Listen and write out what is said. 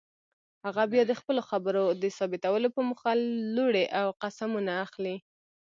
هغه بیا د خپلو خبرو د ثابتولو په موخه لوړې او قسمونه اخلي.